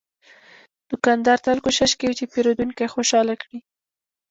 دوکاندار تل کوشش کوي چې پیرودونکی خوشاله کړي.